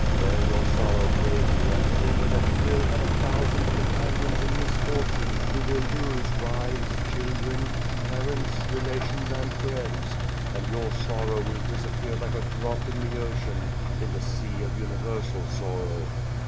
Bear your sorrow bravely, and remember that you will have a thousand companions in mis fortune who will lose wives, children, parents, relations, and friends; and your sorrow will disappear like a drop in the ocean, in the sea of universal sorrow.